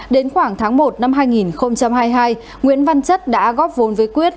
đến khoảng tháng một năm hai nghìn hai mươi hai nguyễn văn chất đã góp vốn với quyết